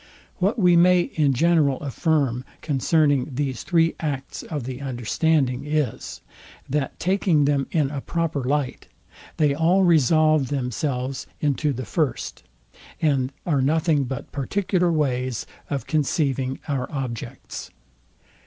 What we may in general affirm concerning these three acts of the understanding is, that taking them in a proper light, they all resolve themselves into the first, and are nothing but particular ways of conceiving our objects.